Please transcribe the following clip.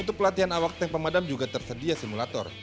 untuk pelatihan awak tank pemadam juga tersedia simulator